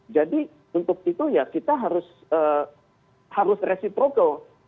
jadi untuk itu ya kita harus resiproko